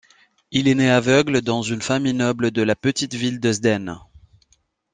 Il est né aveugle, dans une famille noble de la petite ville d'Heusden.